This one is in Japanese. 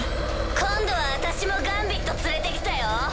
今度は私もガンビット連れてきたよ。